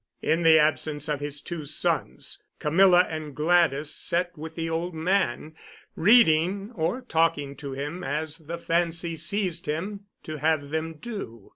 In the absence of his two sons, Camilla and Gladys sat with the old man, reading or talking to him as the fancy seized him to have them do.